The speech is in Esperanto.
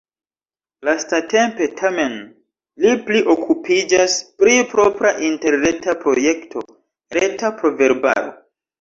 Lastatempe tamen li pli okupiĝas pri propra interreta projekto: reta proverbaro.